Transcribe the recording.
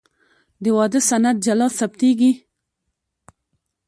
د واده سند جلا ثبتېږي.